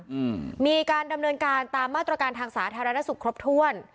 อืมมีการดำเนินการตามมาตรการทางสาธารณสุขครบถ้วน